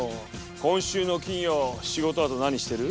今週の金曜仕事のあと何してる？